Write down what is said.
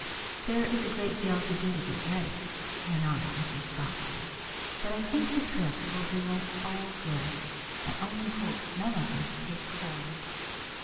"There is a great deal to do to get ready," went on Mrs. Bobbsey. "But I think the trip will do us all good. I only hope none of us take cold."